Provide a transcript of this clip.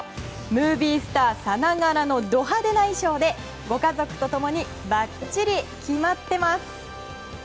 ムービースターさながらのド派手な衣装でご家族と共にばっちり決まっています。